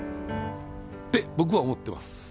って僕は思ってます。